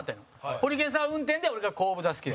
ホリケンさんが運転で俺が後部座席で。